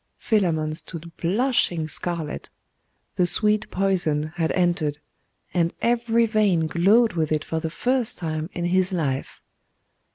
Philammon stood blushing scarlet. The sweet poison had entered, and every vein glowed with it for the first time in his life.